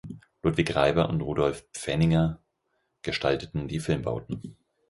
Ludwig Reiber und Rudolf Pfenninger gestalteten die Filmbauten.